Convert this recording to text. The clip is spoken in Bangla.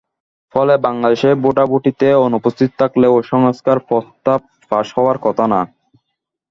ফলে বাংলাদেশ ভোটাভুটিতে অনুপস্থিত থাকলেও সংস্কার প্রস্তাব পাস হওয়ার কথা না।